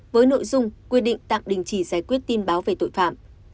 với nội dung quy định tạm đình chỉ giải quyết tin báo về tội phạm